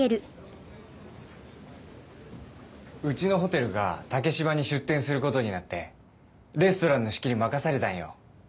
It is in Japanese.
うちのホテルが竹芝に出店することになってレストランの仕切り任されたんよ。